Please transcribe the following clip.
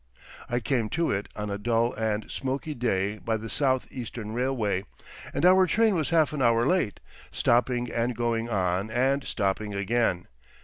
I came to it on a dull and smoky day by the South Eastern Railway, and our train was half an hour late, stopping and going on and stopping again.